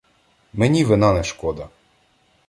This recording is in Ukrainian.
Мені вина не шкода.